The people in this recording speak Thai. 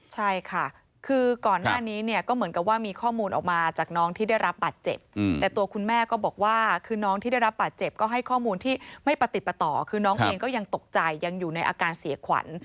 ใช่ค่ะคือก่อนหน้านี้เนี่ยก็เหมือนกับว่ามีข้อมูลออกมาจากน้องที่ได้รับบาดเจ็บแต่ตัวคุณแม่ก็บอกว่าคือน้องที่ได้รับบาดเจ็บก็ให้ข้อมูลที่ไม่ประติดประต่อคือน้องเองก็ยังตกใจยังอยู่ในอาการเสียขวัญ